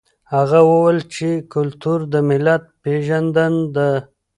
هغه وویل چې کلتور د ملت پېژندنه ده.